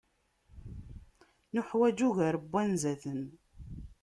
Neḥwaǧ ugar n wanzaten.